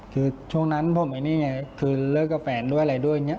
คือช่วงนั้นผมไอ้นี่ไงคือเลิกกับแฟนด้วยอะไรด้วยอย่างนี้